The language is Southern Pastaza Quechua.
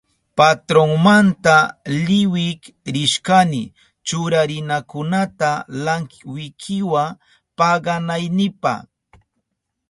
Patronmanta liwik rishkani churarinakunata lankwikiwa paganaynipa.